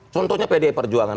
contohnya pdi perjuangan